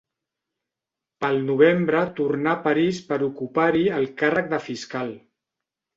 Pel novembre tornà a París per ocupar-hi el càrrec de fiscal.